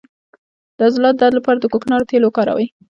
د عضلاتو درد لپاره د کوکنارو تېل وکاروئ